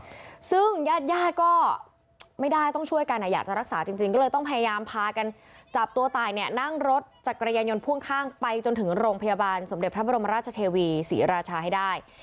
ซึ่งญาติญาติก็ไม่ได้ต้องช่วยกันอ่ะอยากจะรักษาจริงจริงก็เลยต้องพยายามพากันจับตัวตายเนี่ยนั่งรถจักรยานยนต์พ่วงข้างไปจนถึงโรงพยาบาลสมเด็จพระบรมราชเทวีศรีราชาให้ได้